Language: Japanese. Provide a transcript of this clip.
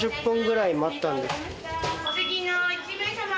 お次の１名様。